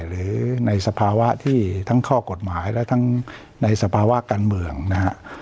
หรือในสภาวะที่ทั้งข้อกฎหมายและทั้งในสภาวะการเมืองนะฮะ